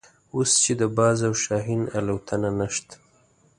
اوس چې د باز او شاهین الوتنه نشته.